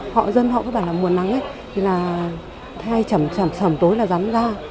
họ dân họ cứ bảo là mùa nắng ấy thì là hay trầm trầm trầm tối là rắn ra